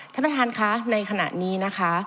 ท่านอันตฐานคะในขณะนี้นะคะ